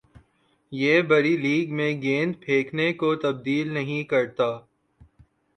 یہ بڑِی لیگ میں گیند پھینکنے کو تبدیل نہیں کرتا